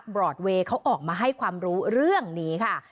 รอดเวย์เขาออกมาให้ความรู้เรื่องนี้ค่ะ